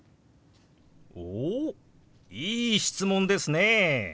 おおっいい質問ですね。